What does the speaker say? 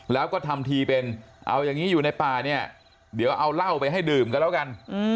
แล้วก็ทำทีเป็นเอาอย่างนี้อยู่ในป่าเนี่ยเดี๋ยวเอาเหล้าไปให้ดื่มกันแล้วกัน